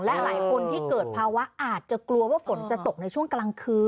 และหลายคนที่เกิดภาวะอาจจะกลัวว่าฝนจะตกในช่วงกลางคืน